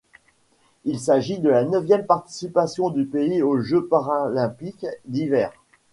Il s'agit de la neuvième participation du pays aux Jeux paralympiques d'hiver.